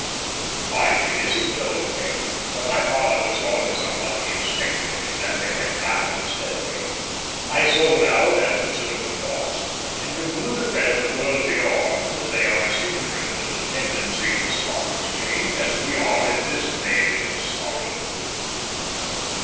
_' "I did as he told me; but my father was always unlucky in speculation, and they went down steadily. I sold out at considerable loss, and concluded that in the world beyond they are as ignorant of the tendency of the Stock Exchange as we are in this vale of sorrow."